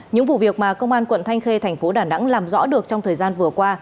những vụ việc mà công an quận thanh khê thành phố đà nẵng làm rõ được trong thời gian vừa qua